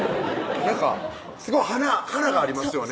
すごい華がありますよね